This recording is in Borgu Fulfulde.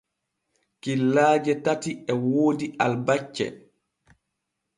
Killaaje tati e woodi albacce.